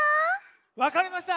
わかりました。